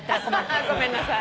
ごめんなさい。